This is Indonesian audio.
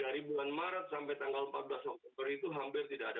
dari bulan maret sampai tanggal empat belas oktober itu hampir tidak ada